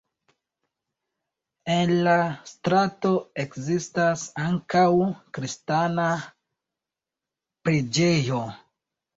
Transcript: En la strato ekzistas ankaŭ kristana preĝejo.